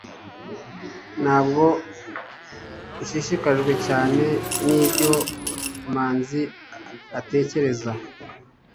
ntabwo nshishikajwe cyane nibyo manzi atekereza